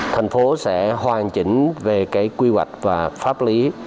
thành phố sẽ hoàn chỉnh về cái quy hoạch và pháp lý